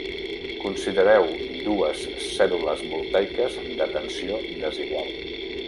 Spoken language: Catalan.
Considereu dues cèl·lules voltaiques de tensió desigual.